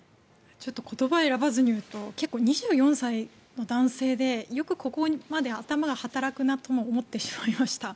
ちょっと言葉を選ばずに言うと結構、２４歳の男性でよくここまで頭が働くなとも思ってしまいました。